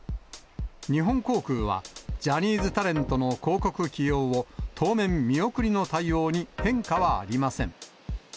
日本航空は、ジャニーズタレントの広告起用を当面見送りの対応に変化はありません。